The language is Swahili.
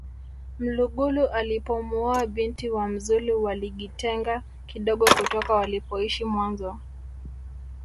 mlugulu alipomuoa binti wa mzulu waligitenga kidogo kutoka walipoishi mwanzo